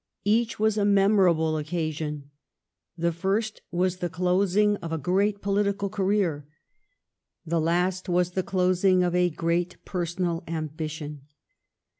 Each was a memorable occa sion. The first was the closing of a great politi cal career. The last was the closing of a great personal ambition.